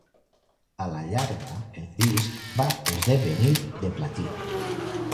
A la llarga, el disc va esdevenir de platí.